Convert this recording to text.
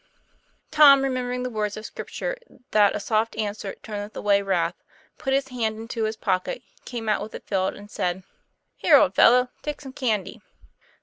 Tom, remembering the words of Scripture that a soft answer turneth away wrath, put his hand into his pocket, came out with it filled, and said: 'Here, old fellow, take some candy."